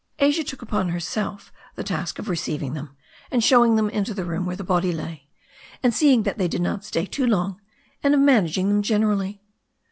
Asia took upon herself the task of receiving them and showing them into the room where the body lay, and of seeing that they did not stay too long, and of managing them generally.